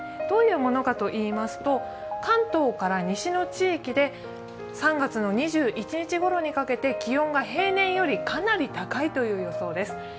どういうものかといいますと、関東から西の地域で３月２１日ごろにかけて気温が平年よりかなり高いという予想です。